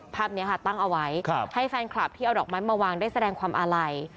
ภาพนี้ค่ะตั้งเอาไว้ให้แฟนคลับที่เอาดอกไม้มาวางได้แสดงความอาลัย